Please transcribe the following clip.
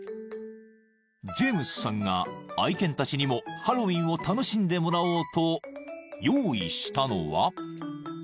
［ジェームスさんが愛犬たちにもハロウィーンを楽しんでもらおうと用意したのは］